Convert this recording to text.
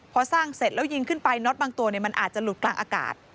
พอสร้างเสร็จแล้วยิงขึ้นไปน็อตบางตัวมันอาจจะหลุดกลางอากาศ